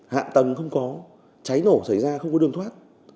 hạ tầng không có cháy nổ xảy ra không có đường thoát